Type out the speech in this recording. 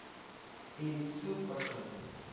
Еицыкәашон…